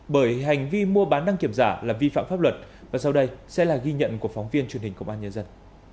bởi hành vi mua bán đăng kiểm giả là vi phạm pháp luật và sau đây sẽ là ghi nhận của phóng viên truyền hình công an nhân dân